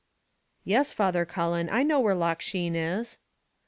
"Yes, Father Cullen, I know where Loch Sheen is."